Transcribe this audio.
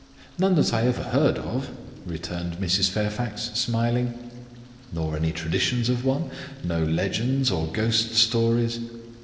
"None that I ever heard of," returned Mrs. Fairfax, smiling. "Nor any traditions of one? no legends or ghost stories?"